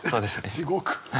地獄。